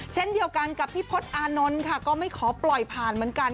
เช่นเดียวกันกับพี่พศอานนท์ค่ะก็ไม่ขอปล่อยผ่านเหมือนกัน